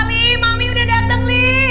ali mami udah dateng